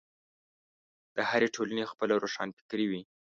د هرې ټولنې خپله روښانفکري وي.